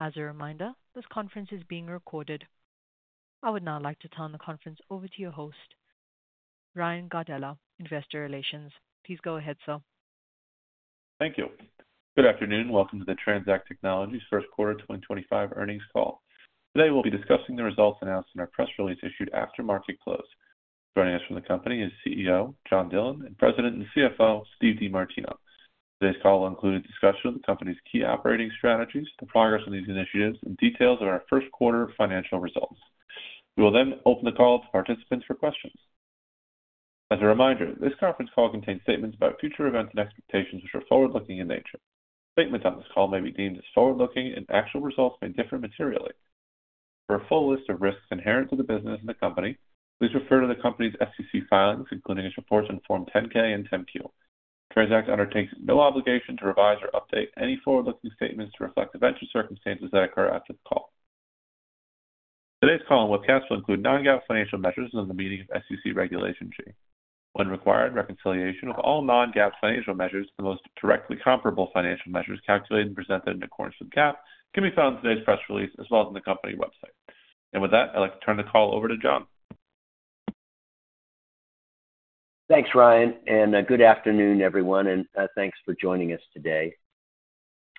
As a reminder, this conference is being recorded. I would now like to turn the conference over to your host, Ryan Gardella, Investor Relations. Please go ahead, sir. Thank you. Good afternoon. Welcome to the TransAct Technologies First Quarter 2025 Earnings call. Today we'll be discussing the results announced in our press release issued after market close. Joining us from the company is CEO John Dillon and President and CFO Steve DeMartino. Today's call will include a discussion of the company's key operating strategies, the progress on these initiatives, and details of our first quarter financial results. We will then open the call to participants for questions. As a reminder, this conference call contains statements about future events and expectations, which are forward-looking in nature. Statements on this call may be deemed as forward-looking, and actual results may differ materially. For a full list of risks inherent to the business and the company, please refer to the company's SEC filings, including its reports on Form 10-K and 10-Q. TransAct undertakes no obligation to revise or update any forward-looking statements to reflect eventual circumstances that occur after the call. Today's call and webcast will include non-GAAP financial measures and the meeting of SEC Regulation G. When required, reconciliation of all non-GAAP financial measures and the most directly comparable financial measures calculated and presented in accordance with GAAP can be found in today's press release as well as on the company website. With that, I'd like to turn the call over to John. Thanks, Ryan, and good afternoon, everyone, and thanks for joining us today.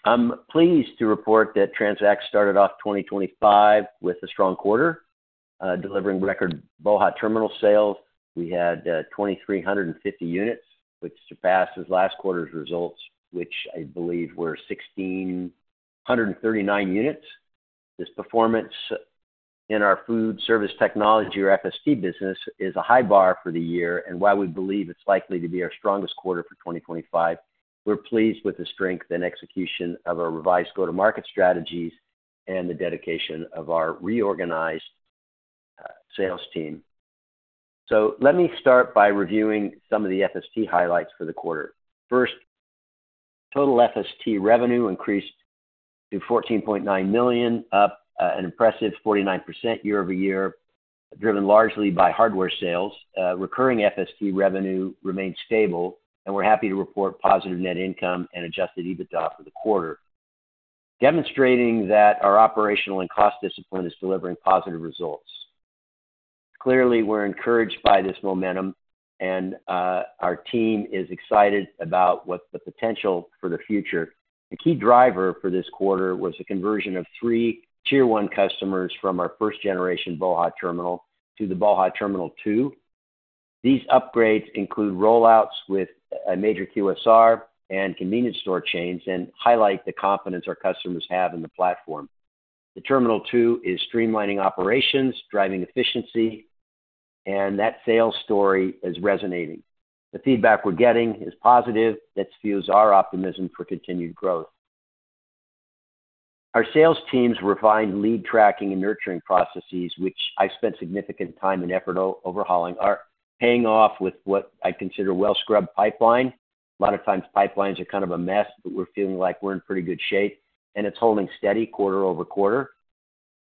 I'm pleased to report that TransAct started off 2025 with a strong quarter, delivering record BOHA Terminal sales. We had 2,350 units, which surpassed last quarter's results, which I believe were 1,639 units. This performance in our food service technology, or FST, business is a high bar for the year, and why we believe it's likely to be our strongest quarter for 2025. We're pleased with the strength and execution of our revised go-to-market strategies and the dedication of our reorganized sales team. Let me start by reviewing some of the FST highlights for the quarter. First, total FST revenue increased to $14.9 million, up an impressive 49% year-over-year, driven largely by hardware sales. Recurring FST revenue remained stable, and we're happy to report positive net income and Adjusted EBITDA for the quarter, demonstrating that our operational and cost discipline is delivering positive results. Clearly, we're encouraged by this momentum, and our team is excited about what the potential for the future is. A key driver for this quarter was the conversion of three Tier 1 customers from our first-generation BOHA Terminal to the BOHA Terminal 2. These upgrades include rollouts with a major QSR and convenience store chains and highlight the confidence our customers have in the platform. The Terminal 2 is streamlining operations, driving efficiency, and that sales story is resonating. The feedback we're getting is positive. That fuels our optimism for continued growth. Our sales team's refined lead tracking and nurturing processes, which I spent significant time and effort overhauling, are paying off with what I consider a well-scrubbed pipeline. A lot of times, pipelines are kind of a mess, but we're feeling like we're in pretty good shape, and it's holding steady quarter over quarter.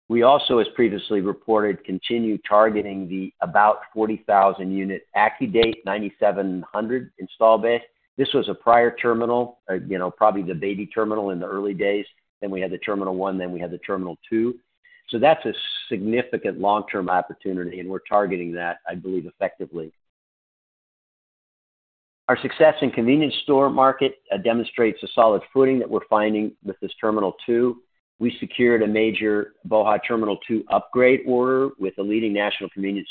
We also, as previously reported, continue targeting the about 40,000-unit AccuDate 9700 install base. This was a prior terminal, probably the baby terminal in the early days. Then we had the terminal 1, then we had the terminal 2. That is a significant long-term opportunity, and we're targeting that, I believe, effectively. Our success in convenience store market demonstrates a solid footing that we're finding with this terminal 2. We secured a major BOHA Terminal 2 upgrade order with a leading national convenience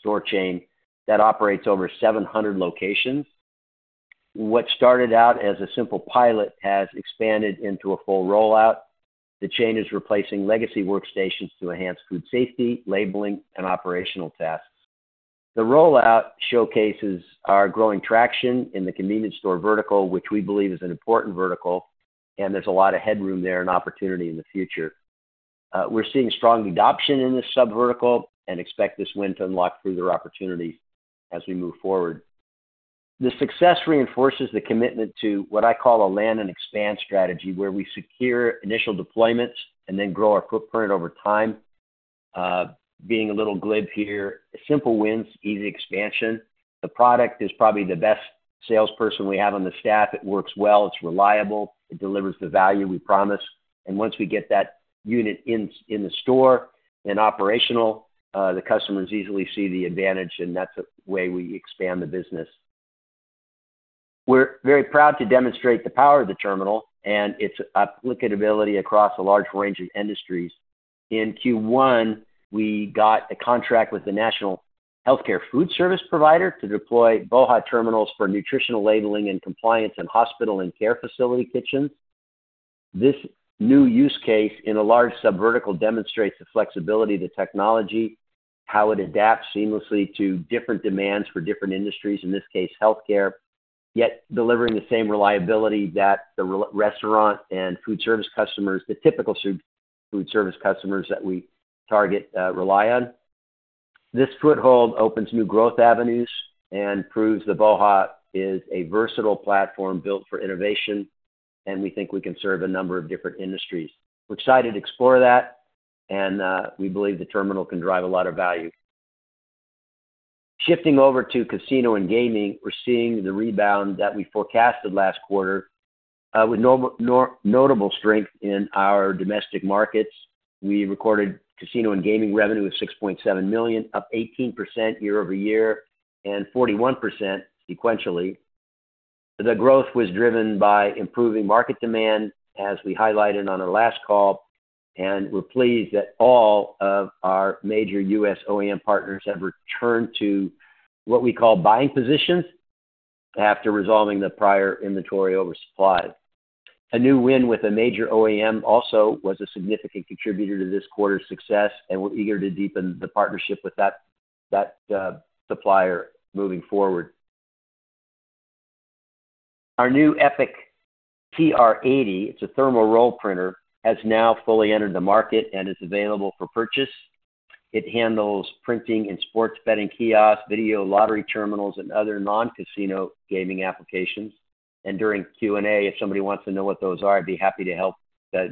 store chain that operates over 700 locations. What started out as a simple pilot has expanded into a full rollout. The chain is replacing legacy workstations to enhance food safety, labeling, and operational tasks. The rollout showcases our growing traction in the convenience store vertical, which we believe is an important vertical, and there's a lot of headroom there and opportunity in the future. We're seeing strong adoption in this subvertical and expect this win to unlock further opportunities as we move forward. The success reinforces the commitment to what I call a land and expand strategy, where we secure initial deployments and then grow our footprint over time. Being a little glib here, simple wins, easy expansion. The product is probably the best salesperson we have on the staff. It works well. It's reliable. It delivers the value we promise. Once we get that unit in the store and operational, the customers easily see the advantage, and that's a way we expand the business. We're very proud to demonstrate the power of the terminal and its applicability across a large range of industries. In Q1, we got a contract with a national healthcare food service provider to deploy BOHA terminals for nutritional labeling and compliance in hospital and care facility kitchens. This new use case in a large subvertical demonstrates the flexibility of the technology, how it adapts seamlessly to different demands for different industries, in this case, healthcare, yet delivering the same reliability that the restaurant and food service customers, the typical food service customers that we target, rely on. This foothold opens new growth avenues and proves that BOHA is a versatile platform built for innovation, and we think we can serve a number of different industries. We're excited to explore that, and we believe the terminal can drive a lot of value. Shifting over to casino and gaming, we're seeing the rebound that we forecasted last quarter with notable strength in our domestic markets. We recorded casino and gaming revenue of $6.7 million, up 18% year-over-year and 41% sequentially. The growth was driven by improving market demand, as we highlighted on our last call, and we're pleased that all of our major U.S OEM partners have returned to what we call buying positions after resolving the prior inventory oversupply. A new win with a major OEM also was a significant contributor to this quarter's success, and we're eager to deepen the partnership with that supplier moving forward. Our new Epic TR80, it's a thermal roll printer, has now fully entered the market and is available for purchase. It handles printing in sports betting kiosks, video lottery terminals, and other non-casino gaming applications. During Q&A, if somebody wants to know what those are, I'd be happy to help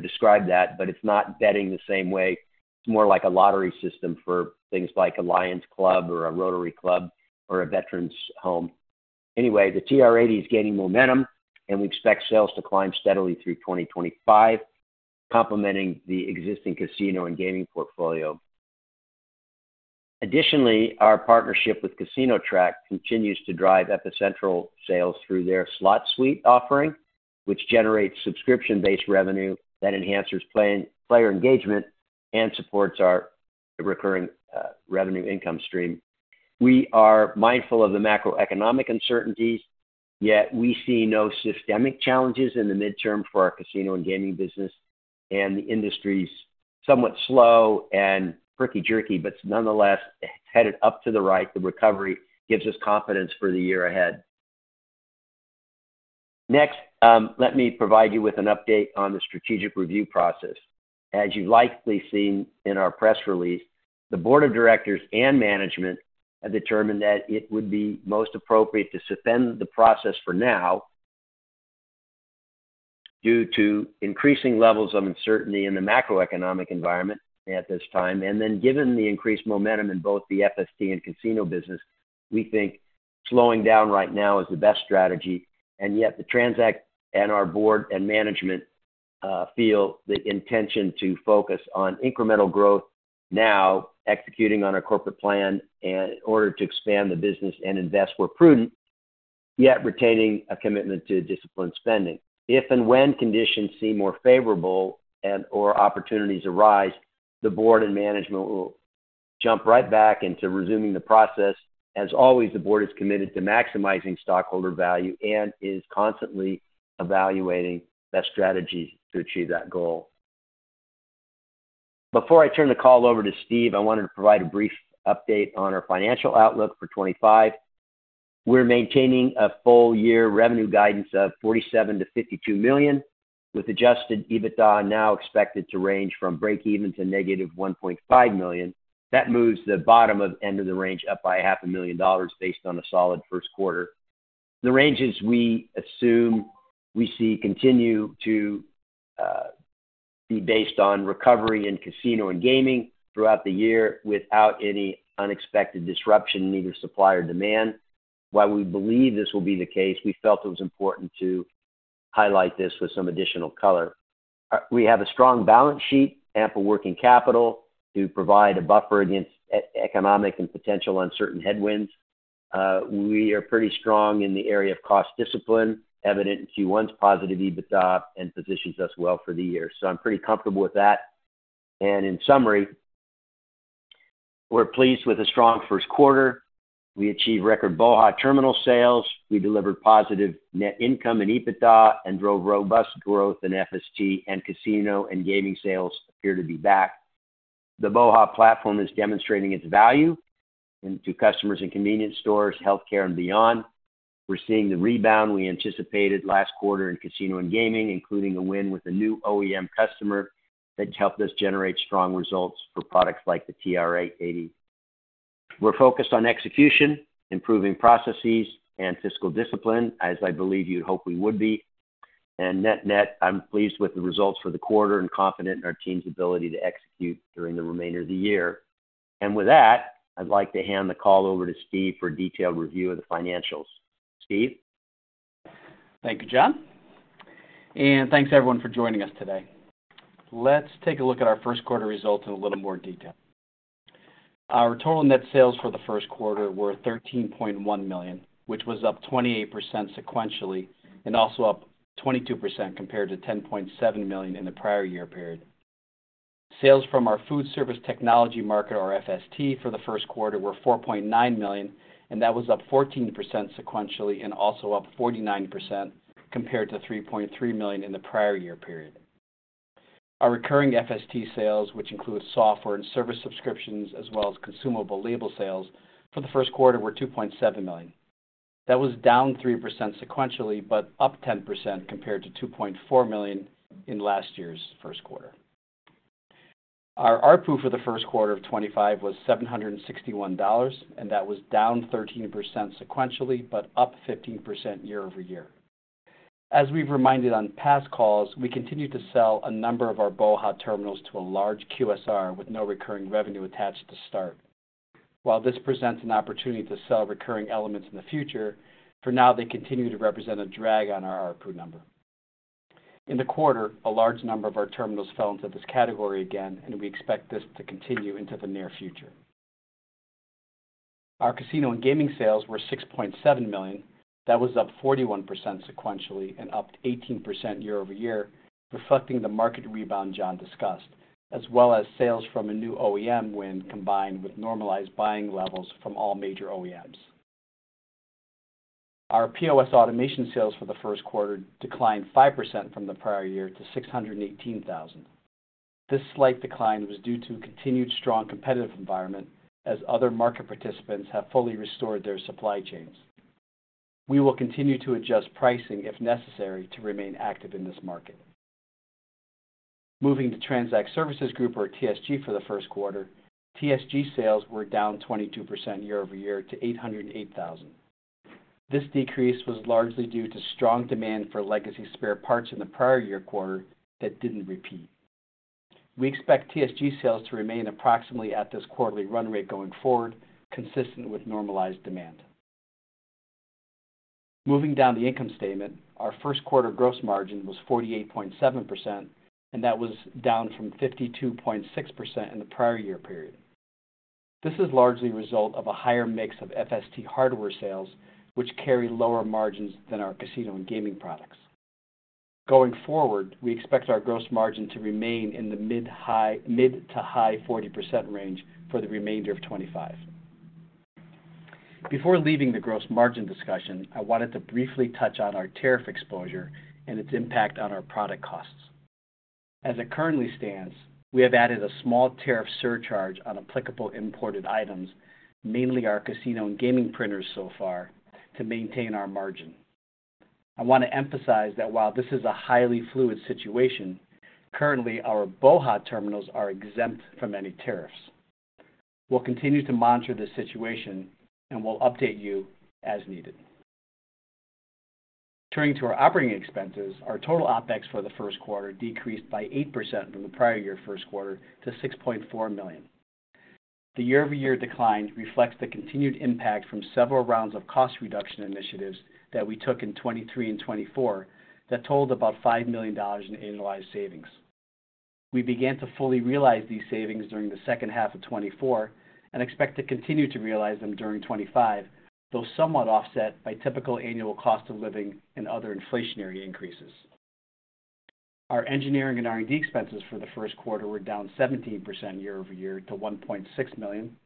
describe that, but it's not betting the same way. It's more like a lottery system for things like a Lions Club or a Rotary Club or a Veterans Home. Anyway, the TR80 is gaining momentum, and we expect sales to climb steadily through 2025, complementing the existing casino and gaming portfolio. Additionally, our partnership with Casino Track continues to drive Epicentral sales through their slot suite offering, which generates subscription-based revenue that enhances player engagement and supports our recurring revenue income stream. We are mindful of the macroeconomic uncertainties, yet we see no systemic challenges in the midterm for our casino and gaming business, and the industry's somewhat slow and pretty jerky, but nonetheless, headed up to the right. The recovery gives us confidence for the year ahead. Next, let me provide you with an update on the strategic review process. As you've likely seen in our press release, the board of directors and management have determined that it would be most appropriate to suspend the process for now due to increasing levels of uncertainty in the macroeconomic environment at this time. Given the increased momentum in both the FST and casino business, we think slowing down right now is the best strategy. Yet, TransAct and our board and management feel the intention to focus on incremental growth now, executing on our corporate plan in order to expand the business and invest where prudent, yet retaining a commitment to disciplined spending. If and when conditions seem more favorable and/or opportunities arise, the board and management will jump right back into resuming the process. As always, the board is committed to maximizing stockholder value and is constantly evaluating best strategies to achieve that goal. Before I turn the call over to Steve, I wanted to provide a brief update on our financial outlook for 2025. We're maintaining a full-year revenue guidance of $47 million-$52 million, with Adjusted EBITDA now expected to range from break-even to negative $1.5 million. That moves the bottom end of the range up by $500,000 based on a solid first quarter. The ranges we assume we see continue to be based on recovery in casino and gaming throughout the year without any unexpected disruption in either supply or demand. While we believe this will be the case, we felt it was important to highlight this with some additional color. We have a strong balance sheet, ample working capital to provide a buffer against economic and potential uncertain headwinds. We are pretty strong in the area of cost discipline, evident in Q1's positive EBITDA and positions us well for the year. I'm pretty comfortable with that. In summary, we're pleased with a strong first quarter. We achieved record BOHA Terminal sales. We delivered positive net income and EBITDA and drove robust growth in FST and casino and gaming sales appear to be back. The BOHA platform is demonstrating its value to customers in convenience stores, healthcare, and beyond. We're seeing the rebound we anticipated last quarter in casino and gaming, including a win with a new OEM customer that helped us generate strong results for products like the Epic TR80. We're focused on execution, improving processes, and fiscal discipline, as I believe you'd hope we would be. Net-net, I'm pleased with the results for the quarter and confident in our team's ability to execute during the remainder of the year. With that, I'd like to hand the call over to Steve for a detailed review of the financials. Steve? Thank you, John. Thank you, everyone, for joining us today. Let's take a look at our first quarter results in a little more detail. Our total net sales for the first quarter were $13.1 million, which was up 28% sequentially and also up 22% compared to $10.7 million in the prior year period. Sales from our food service technology market, or FST, for the first quarter were $4.9 million, and that was up 14% sequentially and also up 49% compared to $3.3 million in the prior year period. Our recurring FST sales, which include software and service subscriptions as well as consumable label sales for the first quarter, were $2.7 million. That was down 3% sequentially but up 10% compared to $2.4 million in last year's first quarter. Our ARPU for the first quarter of 2025 was $761, and that was down 13% sequentially but up 15% year-over-year. As we've reminded on past calls, we continue to sell a number of our BOHA terminals to a large QSR with no recurring revenue attached to start. While this presents an opportunity to sell recurring elements in the future, for now, they continue to represent a drag on our ARPU number. In the quarter, a large number of our terminals fell into this category again, and we expect this to continue into the near future. Our casino and gaming sales were $6.7 million. That was up 41% sequentially and up 18% year-over-year, reflecting the market rebound John discussed, as well as sales from a new OEM win combined with normalized buying levels from all major OEMs. Our POS automation sales for the first quarter declined 5% from the prior year to $618,000. This slight decline was due to continued strong competitive environment as other market participants have fully restored their supply chains. We will continue to adjust pricing if necessary to remain active in this market. Moving to TransAct Services Group, or TSG, for the first quarter, TSG sales were down 22% year-over-year to $808,000. This decrease was largely due to strong demand for legacy spare parts in the prior year quarter that did not repeat. We expect TSG sales to remain approximately at this quarterly run rate going forward, consistent with normalized demand. Moving down the income statement, our first quarter gross margin was 48.7%, and that was down from 52.6% in the prior year period. This is largely a result of a higher mix of FST hardware sales, which carry lower margins than our casino and gaming products. Going forward, we expect our gross margin to remain in the mid-to-high 40% range for the remainder of 2025. Before leaving the gross margin discussion, I wanted to briefly touch on our tariff exposure and its impact on our product costs. As it currently stands, we have added a small tariff surcharge on applicable imported items, mainly our casino and gaming printers so far, to maintain our margin. I want to emphasize that while this is a highly fluid situation, currently, our BOHA terminals are exempt from any tariffs. We'll continue to monitor this situation, and we'll update you as needed. Turning to our operating expenses, our total OpEx for the first quarter decreased by 8% from the prior year first quarter to $6.4 million. The year-over-year decline reflects the continued impact from several rounds of cost reduction initiatives that we took in 2023 and 2024 that totaled about $5 million in annualized savings. We began to fully realize these savings during the second half of 2024 and expect to continue to realize them during 2025, though somewhat offset by typical annual cost of living and other inflationary increases. Our engineering and R&D expenses for the first quarter were down 17% year-over-year to $1.6 million.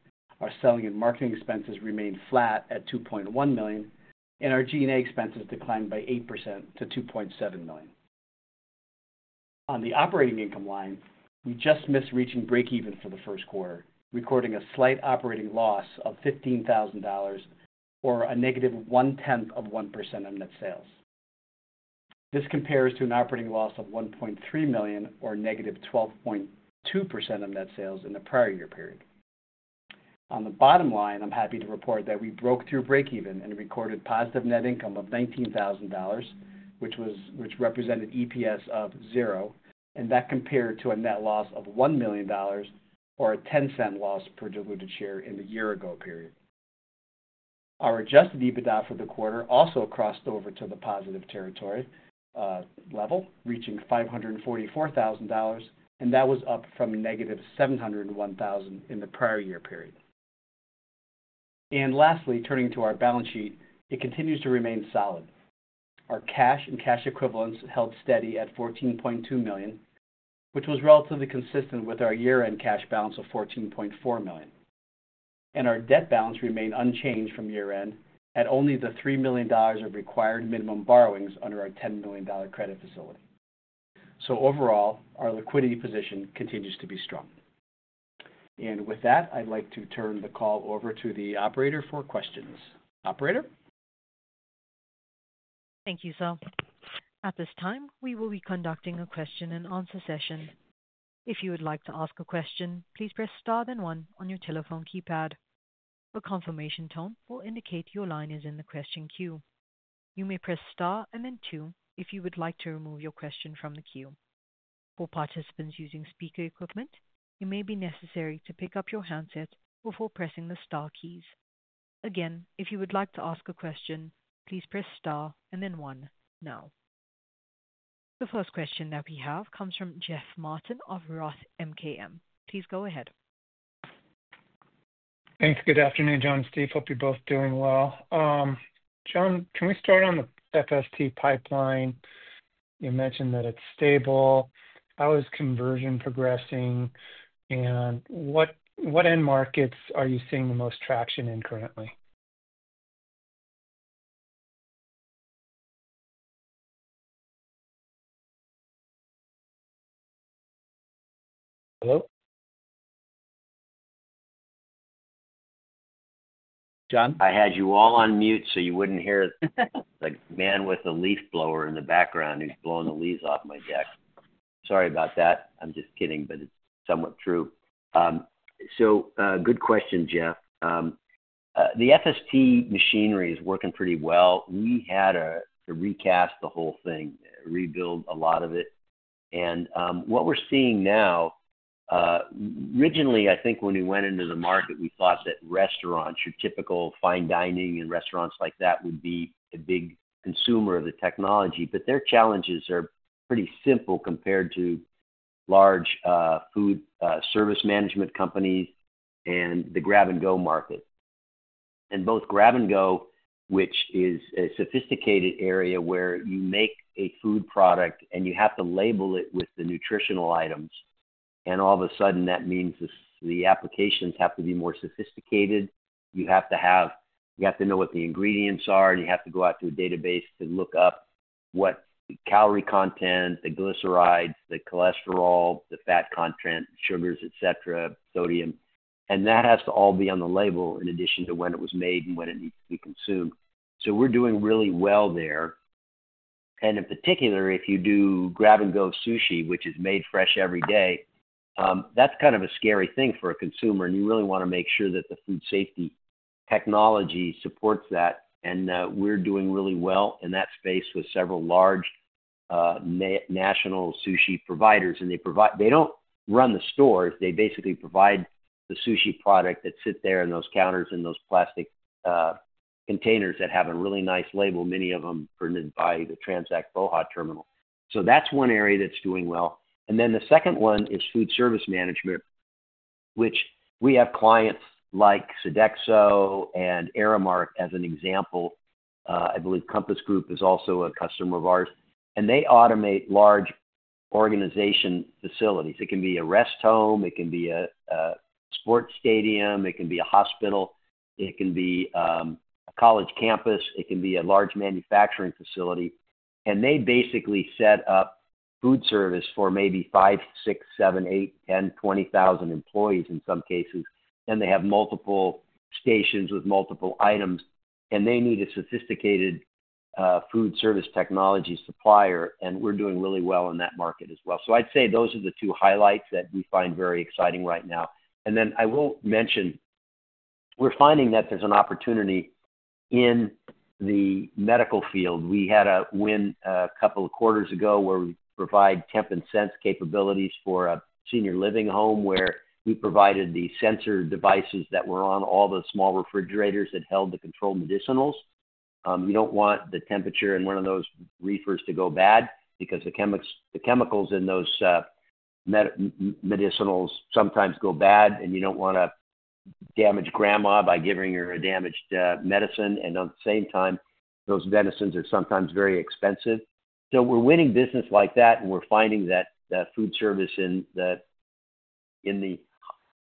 Our selling and marketing expenses remained flat at $2.1 million, and our G&A expenses declined by 8% to $2.7 million. On the operating income line, we just missed reaching break-even for the first quarter, recording a slight operating loss of $15,000 or a negative 1/10 of 1% of net sales. This compares to an operating loss of $1.3 million or negative 12.2% of net sales in the prior year period. On the bottom line, I'm happy to report that we broke through break-even and recorded positive net income of $19,000, which represented EPS of zero, and that compared to a net loss of $1 million or a $0.10 loss per diluted share in the year-ago period. Our Adjusted EBITDA for the quarter also crossed over to the positive territory level, reaching $544,000, and that was up from negative $701,000 in the prior year period. Lastly, turning to our balance sheet, it continues to remain solid. Our cash and cash equivalents held steady at $14.2 million, which was relatively consistent with our year-end cash balance of $14.4 million. Our debt balance remained unchanged from year-end at only the $3 million of required minimum borrowings under our $10 million credit facility. Overall, our liquidity position continues to be strong. With that, I'd like to turn the call over to the operator for questions. Operator? Thank you, sir. At this time, we will be conducting a question-and-answer session. If you would like to ask a question, please press star then one on your telephone keypad. A confirmation tone will indicate your line is in the question queue. You may press star and then two if you would like to remove your question from the queue. For participants using speaker equipment, it may be necessary to pick up your handset before pressing the star keys. Again, if you would like to ask a question, please press star and then one now. The first question that we have comes from Jeff Martin of Roth MKM. Please go ahead. Thanks. Good afternoon, John and Steve. Hope you're both doing well. John, can we start on the FST pipeline? You mentioned that it's stable. How is conversion progressing? And what end markets are you seeing the most traction in currently? Hello? John? I had you all on mute so you wouldn't hear the man with the leaf blower in the background who's blowing the leaves off my deck. Sorry about that. I'm just kidding, but it's somewhat true. Good question, Jeff. The FST machinery is working pretty well. We had to recast the whole thing, rebuild a lot of it. What we're seeing now, originally, I think when we went into the market, we thought that restaurants, your typical fine dining and restaurants like that, would be a big consumer of the technology. Their challenges are pretty simple compared to large food service management companies and the grab-and-go market. Both grab-and-go, which is a sophisticated area where you make a food product and you have to label it with the nutritional items, and all of a sudden, that means the applications have to be more sophisticated. You have to know what the ingredients are, and you have to go out to a database to look up what calorie content, the glycerides, the cholesterol, the fat content, sugars, etcetera, sodium. That has to all be on the label in addition to when it was made and when it needs to be consumed. We are doing really well there. In particular, if you do grab-and-go sushi, which is made fresh every day, that is kind of a scary thing for a consumer, and you really want to make sure that the food safety technology supports that. We are doing really well in that space with several large national sushi providers. They do not run the stores. They basically provide the sushi product that sits there in those counters in those plastic containers that have a really nice label, many of them printed by the TransAct BOHA! Terminal. That's one area that's doing well. The second one is food service management, which we have clients like Sodexo and Aramark as an example. I believe Compass Group is also a customer of ours. They automate large organization facilities. It can be a rest home. It can be a sports stadium. It can be a hospital. It can be a college campus. It can be a large manufacturing facility. They basically set up food service for maybe 5, 6, 7, 8, 10, 20,000 employees in some cases. They have multiple stations with multiple items. They need a sophisticated food service technology supplier. We're doing really well in that market as well. I'd say those are the two highlights that we find very exciting right now. I will mention we're finding that there's an opportunity in the medical field. We had a win a couple of quarters ago where we provide Temp and Sense capabilities for a senior living home where we provided the sensor devices that were on all the small refrigerators that held the controlled medicinals. You do not want the temperature in one of those reefers to go bad because the chemicals in those medicinals sometimes go bad, and you do not want to damage grandma by giving her a damaged medicine. At the same time, those medicines are sometimes very expensive. We are winning business like that, and we are finding that food service in the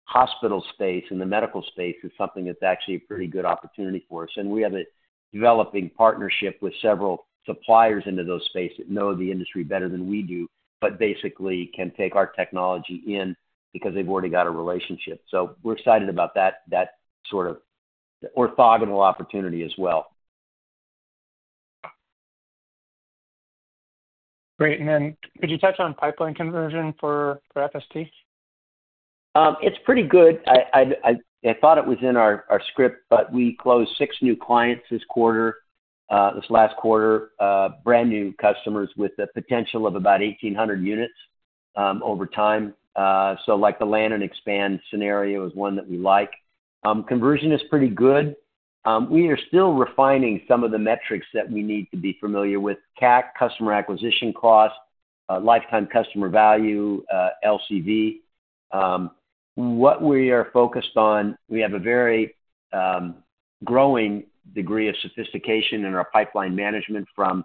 hospital space and the medical space is something that is actually a pretty good opportunity for us. We have a developing partnership with several suppliers into those spaces that know the industry better than we do but basically can take our technology in because they have already got a relationship. We're excited about that sort of orthogonal opportunity as well. Great. Could you touch on pipeline conversion for FST? It's pretty good. I thought it was in our script, but we closed six new clients this quarter, this last quarter, brand new customers with the potential of about 1,800 units over time. The land and expand scenario is one that we like. Conversion is pretty good. We are still refining some of the metrics that we need to be familiar with: CAC, customer acquisition cost, lifetime customer value, LCV. What we are focused on, we have a very growing degree of sophistication in our pipeline management from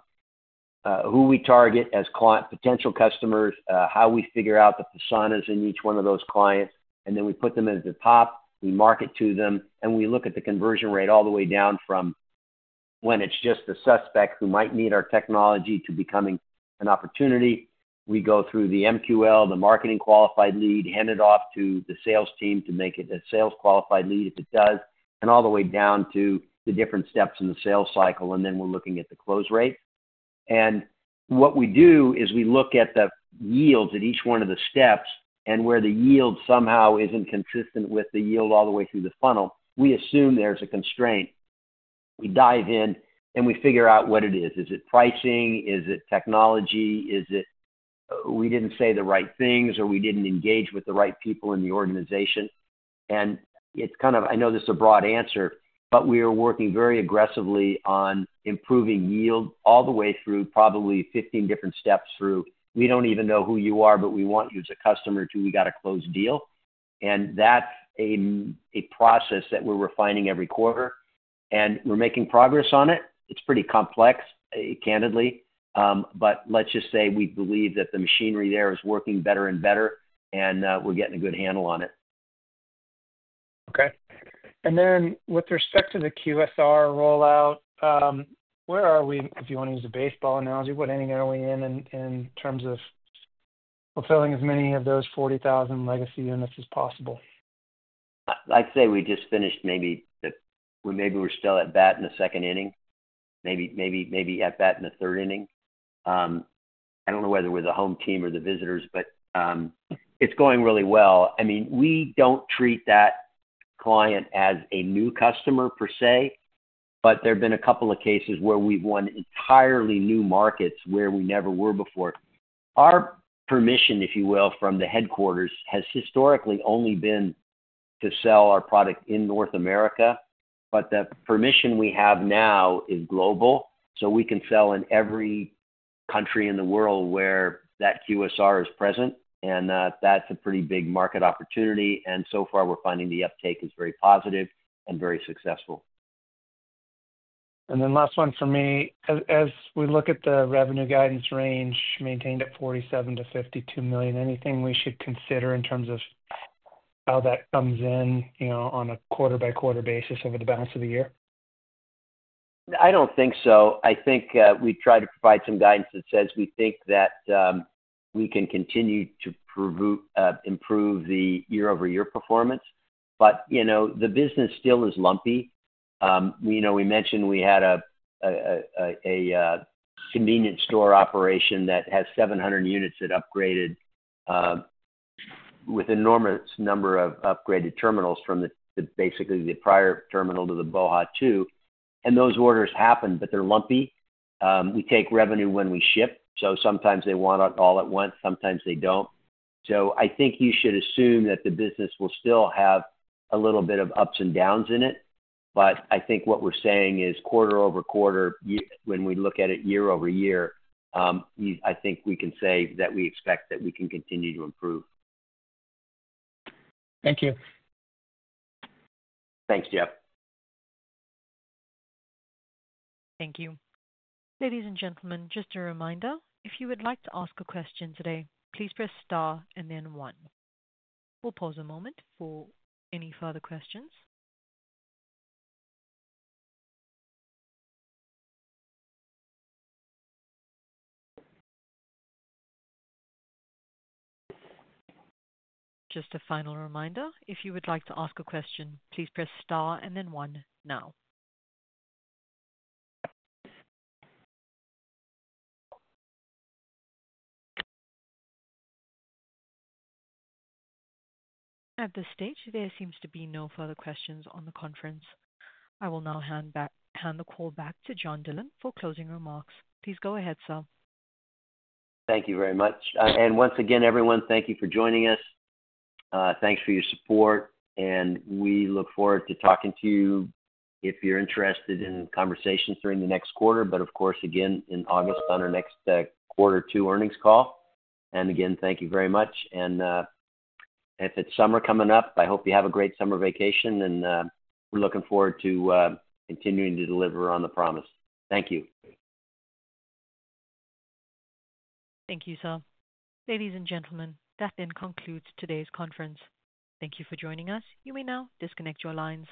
who we target as potential customers, how we figure out the personas in each one of those clients, and then we put them at the top. We market to them, and we look at the conversion rate all the way down from when it's just the suspect who might need our technology to becoming an opportunity. We go through the MQL, the marketing qualified lead, hand it off to the sales team to make it a sales qualified lead if it does, and all the way down to the different steps in the sales cycle. We are looking at the close rate. What we do is we look at the yields at each one of the steps. Where the yield somehow isn't consistent with the yield all the way through the funnel, we assume there's a constraint. We dive in, and we figure out what it is. Is it pricing? Is it technology? We didn't say the right things, or we didn't engage with the right people in the organization. It's kind of—I know this is a broad answer, but we are working very aggressively on improving yield all the way through probably 15 different steps through. We don't even know who you are, but we want you as a customer until we got a closed deal. That is a process that we're refining every quarter. We're making progress on it. It's pretty complex, candidly. Let's just say we believe that the machinery there is working better and better, and we're getting a good handle on it. Okay. And then with respect to the QSR rollout, where are we? If you want to use a baseball analogy, what inning are we in in terms of fulfilling as many of those 40,000 legacy units as possible? I'd say we just finished maybe—maybe we're still at bat in the second inning, maybe at bat in the third inning. I don't know whether we're the home team or the visitors, but it's going really well. I mean, we don't treat that client as a new customer per se, but there have been a couple of cases where we've won entirely new markets where we never were before. Our permission, if you will, from the headquarters has historically only been to sell our product in North America, but the permission we have now is global. We can sell in every country in the world where that QSR is present, and that's a pretty big market opportunity. So far, we're finding the uptake is very positive and very successful. Last one for me. As we look at the revenue guidance range maintained at $47 million-$52 million, anything we should consider in terms of how that comes in on a quarter-by-quarter basis over the balance of the year? I don't think so. I think we tried to provide some guidance that says we think that we can continue to improve the year-over-year performance. The business still is lumpy. We mentioned we had a convenience store operation that has 700 units that upgraded with an enormous number of upgraded terminals from basically the prior terminal to the BOHA Terminal 2. Those orders happen, but they're lumpy. We take revenue when we ship. Sometimes they want it all at once. Sometimes they don't. I think you should assume that the business will still have a little bit of ups and downs in it. What we're saying is quarter over quarter, when we look at it year over year, I think we can say that we expect that we can continue to improve. Thank you. Thanks, Jeff. Thank you. Ladies and gentlemen, just a reminder, if you would like to ask a question today, please press star and then one. We'll pause a moment for any further questions. Just a final reminder, if you would like to ask a question, please press star and then one now. At this stage, there seems to be no further questions on the conference. I will now hand the call back to John Dillon for closing remarks. Please go ahead, sir. Thank you very much. Once again, everyone, thank you for joining us. Thanks for your support. We look forward to talking to you if you're interested in conversations during the next quarter, but of course, again, in August on our next quarter two earnings call. Again, thank you very much. If it's summer coming up, I hope you have a great summer vacation, and we're looking forward to continuing to deliver on the promise. Thank you. Thank you, sir. Ladies and gentlemen, that then concludes today's conference. Thank you for joining us. You may now disconnect your lines.